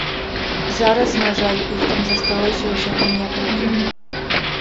Зараз, на жаль, іх там засталося ўсяго некалькі.